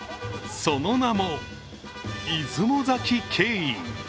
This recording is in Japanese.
その名も、出雲崎競飲。